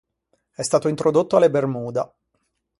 È stato introdotto alle Bermuda.